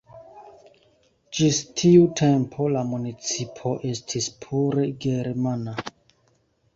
Ĝis tiu tempo la municipo estis pure germana.